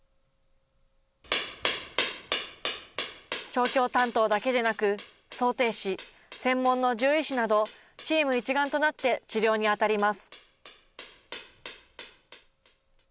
調教担当だけでなく、装てい師、専門の獣医師など、チーム一丸となって治療に当たりま